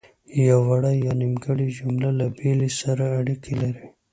یوه وړه یا نیمګړې جمله له بلې سره اړیکې لري.